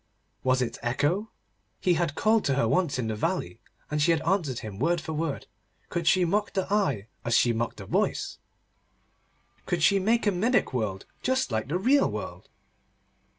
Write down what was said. Was it Echo? He had called to her once in the valley, and she had answered him word for word. Could she mock the eye, as she mocked the voice? Could she make a mimic world just like the real world?